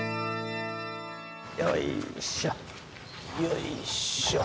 よいしょ！